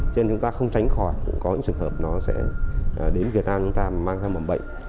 cho nên chúng ta không tránh khỏi có những trường hợp nó sẽ đến việt nam chúng ta mà mang theo mầm bệnh